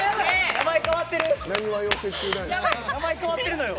名前変わってる！